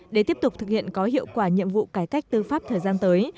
để tiếp tục thực hiện có hiệu quả nhiệm vụ cải cách tư pháp thời gian tới